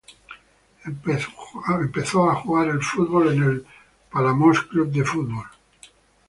Empezó a jugar al fútbol en el Palamós Club de Fútbol.